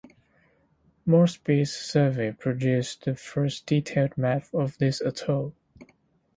Moresby's survey produced the first detailed map of this atoll.